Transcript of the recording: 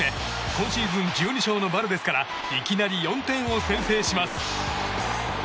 今シーズン１２勝のバルデスからいきなり４点を先制します。